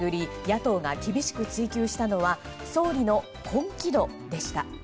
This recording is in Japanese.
野党が厳しく追及したのは総理の本気度でした。